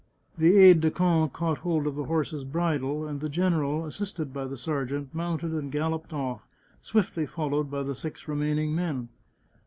The aide de camp caught hold of the horse's bridle, and the general, assisted by the sergeant, mounted and galloped off, swiftly followed by the six remaining men.